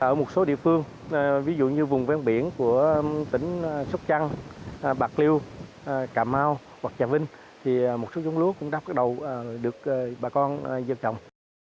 ở một số địa phương ví dụ như vùng ven biển của tỉnh sóc trăng bạc liêu cà mau hoặc trà vinh thì một số giống lúa cũng đã bắt đầu được bà con dân trồng